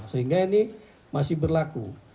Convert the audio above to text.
sehingga ini masih berlaku